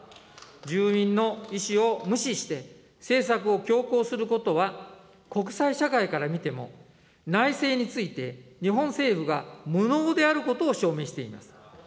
住民の意思を無視して政策を強行することは、国際社会から見ても、内政について日本政府が無能であることを証明しています。